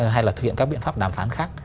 hay là thực hiện các biện pháp đàm phán khác